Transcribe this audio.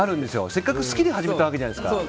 せっかく好きで始めたわけじゃないですか。